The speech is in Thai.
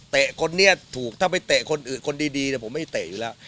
คนนี้ถูกถ้าไปเตะคนอื่นคนดีผมไม่เตะอยู่แล้ว